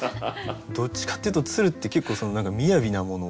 どっちかっていうと鶴って結構みやびなもの。